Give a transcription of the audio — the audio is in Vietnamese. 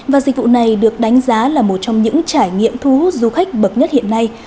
và dịch vụ này được đánh giá là một trong những trải nghiệm thu hút du khách bậc nhất hiện nay